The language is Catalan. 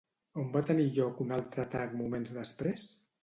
On va tenir lloc un altre atac moments després?